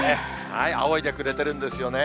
あおいでくれてるんですよね。